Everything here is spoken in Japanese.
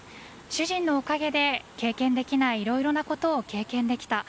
主人のおかげで経験できないいろいろなことを経験できた。